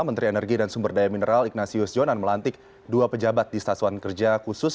menteri energi dan sumber daya mineral ignasius jonan melantik dua pejabat di stasiun kerja khusus